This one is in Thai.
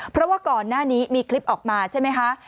เพราะว่าก่อนหน้านี้มีคลิปออกมาใช่ไหมคะ